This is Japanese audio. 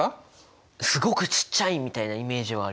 すごくちっちゃいみたいなイメージはあります。